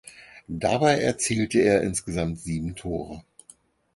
Dabei erzielte er insgesamt sieben Tore.